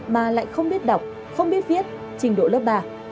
mà lại không biết đọc không biết viết trình độ lớp ba